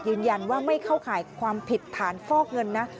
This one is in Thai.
ยืนยันว่าไม่เข้าข่ายความผิดฐานฟอกเงินนะ